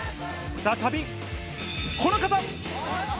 再びこの方。